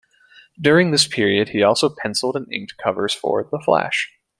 During this period he also penciled and inked covers for "The Flash".